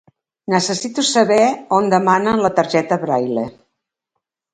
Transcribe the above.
Necessito saber on demanen la targeta Braile.